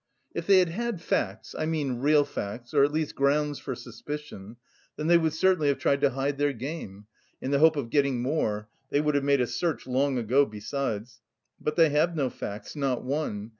"If they had had facts I mean, real facts or at least grounds for suspicion, then they would certainly have tried to hide their game, in the hope of getting more (they would have made a search long ago besides). But they have no facts, not one.